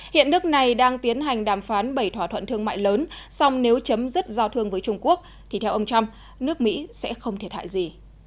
hiện nước này đang tiến hành đàm phán bảy thỏa thuận thương mại lớn song nếu chấm dứt giao thương với trung quốc thì theo ông trump nước mỹ sẽ không thiệt hại gì